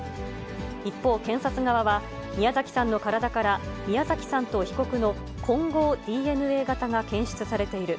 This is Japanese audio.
一方、検察側は、宮崎さんの体から宮崎さんと被告の混合ＤＮＡ型が検出されている。